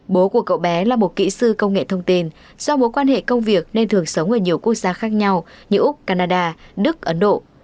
bố của cậu bé là một kỹ sư công nghệ thông tin do mối quan hệ công việc nên thường sống ở nhiều quốc gia khác nhau như úc canada đức ấn độ